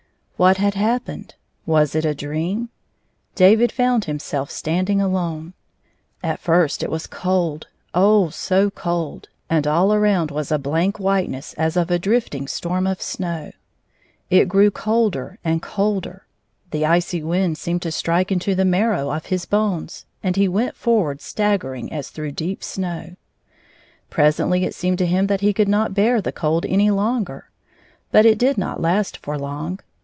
« What had happened? Was it a dream 1 David found himself standing alone. At first it was cold — oh, so cold — and all around was a blank whiteness as of a drifting storm of snow. It grew colder and colder ; the icy wind seemed to strike mto the marrow of his bones, and he went forward steggering as through deep snow. Presently it seemed to him that he could not bear the cold any longer. But it did not last for long.